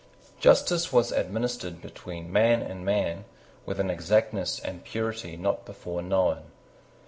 Justice was administered between man and man with an exactness and purity not before known.